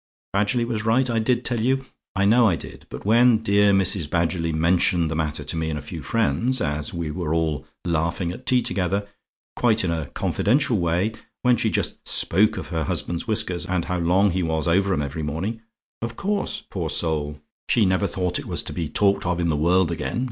"BADGERLY WAS RIGHT. I DID TELL YOU? "I know I did: but when dear Mrs. Badgerly mentioned the matter to me and a few friends, as we were all laughing at tea together, quite in a confidential way when she just spoke of her husband's whiskers, and how long he was over 'em every morning of course, poor soul! she never thought it was to be talked of in the world again.